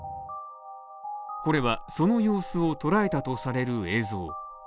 これはその様子を捉えたとされる映像。